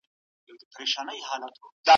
تر پایه به ټول شیان تنظیم سوي وي.